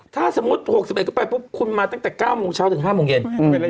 ถ้าถ้า๖๑๑ปีเข้าไปคุณมาตั้งแต่๙นาทีเช้าถึง๕นาทีเย็น